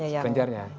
ya kelenjarnya ya